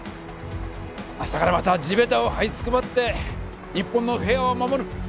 明日からまた地べたを這いつくばって日本の平和を守る！